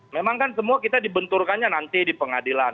memang kan semua kita dibenturkannya nanti di pengadilan